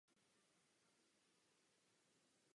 Svoji fotbalovou kariéru začal tento obránce v rodné Ostravě.